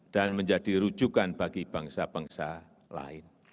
dan menjadi rujukan bagi bangsa bangsa lain